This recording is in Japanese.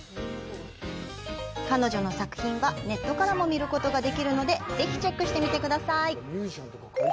彼女の作品はネットからも見ることができるので、ぜひチェックしてみてください。